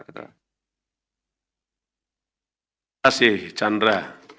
terima kasih chandra